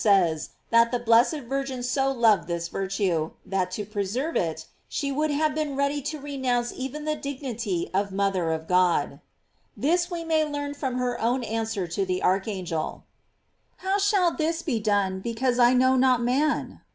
•ays that the blessed Virgin so loved this virtu^ that to preserve it, she would have been ready to renounce even the dignity of mother of God. This we may learn from her own answer to the archangel: "How shall this be done, because I know not man?"